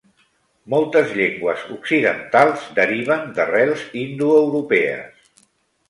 Moltes llengües occidentals deriven d'arrels indoeuropees